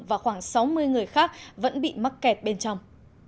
và khoảng sáu mươi người khác vẫn bị mắc kẹt bên trong